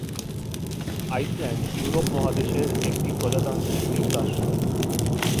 Iceland Europe মহাদেশের একটি প্রজাতান্ত্রিক দ্বীপ রাষ্ট্র।